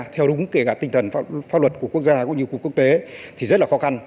theo đúng tinh thần pháp luật của quốc gia cũng như của quốc tế thì rất là khó khăn